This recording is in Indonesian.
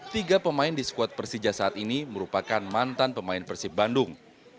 tiga pemain di skuad persija saat ini merupakan mantan pemain persib bandung